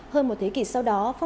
hơn một thế kỷ sau đó